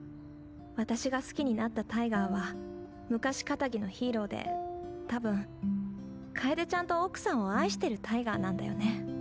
私が好きになったタイガーは昔かたぎのヒーローで多分楓ちゃんと奥さんを愛してるタイガーなんだよね。